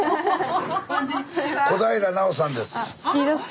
小平奈緒さんです。